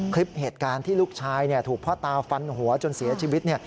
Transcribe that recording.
คลิปเหตุการณ์ที่ลูกชายถูกพ่อตาฟันหัวจนเสียชีวิต